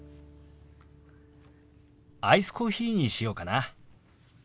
アイスコーヒーにしようかな。